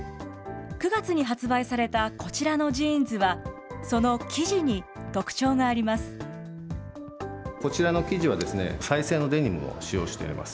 ９月に発売されたこちらのジーンズは、その生地に特徴があります。